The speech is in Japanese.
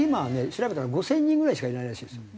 調べたら５０００人ぐらいしかいないらしいですよ